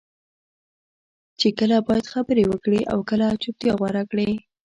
چې کله باید خبرې وکړې او کله چپتیا غوره کړې.